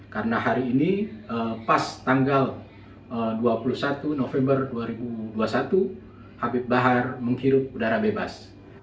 karena hari ini pas tanggal dua puluh satu november dua ribu dua puluh satu habib bahar menghirup udara bebas